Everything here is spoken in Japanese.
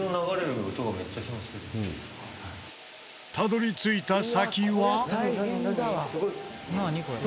たどり着いた先は。